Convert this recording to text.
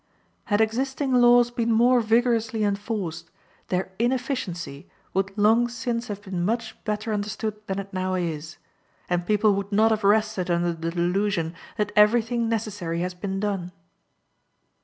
Had existing laws been more vigorously enforced, their inefficiency would long since have been much better understood than it now is, and people would not have rested under the delusion that every thing necessary has been done.